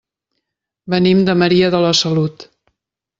Venim de Maria de la Salut.